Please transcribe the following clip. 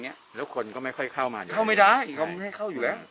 เงี้ยแล้วคนก็ไม่ค่อยเข้ามาเข้าไม่ได้เขา่าให้เข้าอยู่แล้ว